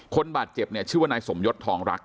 คนบาดเจ็บชื่อว่านายสมยรรษทองรัก